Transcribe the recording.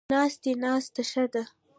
ناست دی، ناسته ښه ده